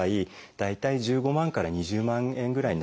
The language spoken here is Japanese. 大体１５万から２０万円ぐらいになります。